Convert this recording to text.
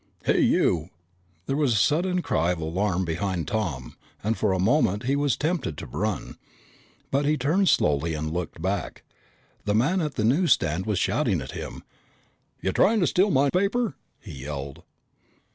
"Hey you!" There was a sudden cry of alarm behind Tom and for a moment he was tempted to run. But he turned slowly and looked back. The man at the newsstand was shouting at him. "Ya tryin' to steal my paper?" he yelled.